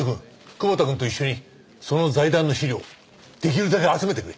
久保田君と一緒にその財団の資料出来るだけ集めてくれ。